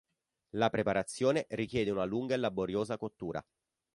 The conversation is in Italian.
La preparazione richiede una lunga e laboriosa cottura.